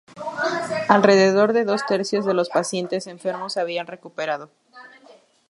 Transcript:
Alrededor de dos tercios de los pacientes enfermos se habían recuperado.